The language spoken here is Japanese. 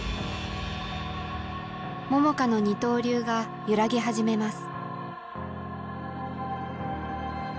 桃佳の二刀流が揺らぎ始めます。